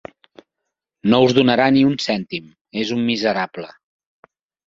No us donarà ni un cèntim: és un miserable.